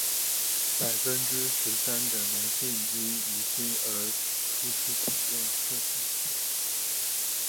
百分之十三的男性因遗精而初次体验射精。